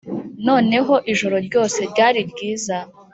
noneho ijoro ryose, ryari ryiza